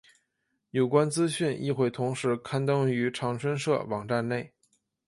有关资讯亦会同时刊登于长春社网站内。